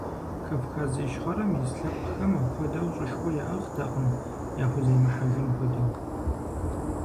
Кавказ Ищхъэрэм ис лъэпкъхэм апхуэдэу щӀышхуэ яӀыгътэкъым, яхуземыхьэжын хуэдэу.